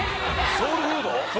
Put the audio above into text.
ソウルフード